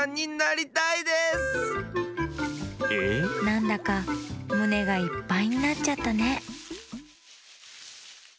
なんだかむねがいっぱいになっちゃったね